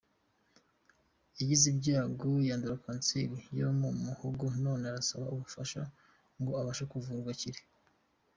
Yagize ibyago yandura kanseri yo mu muhogo none arasaba ubufasha ngo abashe kuvurwa akire.